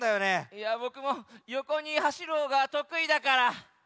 いやボクもよこにはしるほうがとくいだから。